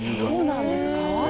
そうなんですか？